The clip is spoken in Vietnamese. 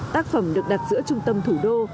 tác phẩm được đặt giữa trung tâm thủ đô